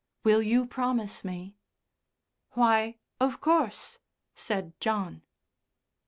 Will you promise me?" "Why, of course," said John.